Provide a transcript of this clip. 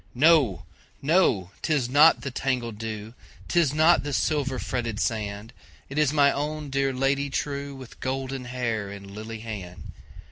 No! no! 'tis not the tangled dew,'Tis not the silver fretted sand, It is my own dear Lady trueWith golden hair and lily hand!